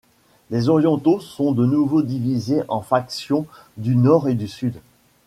Les Orientaux sont de nouveau divisés en faction du Nord et du Sud.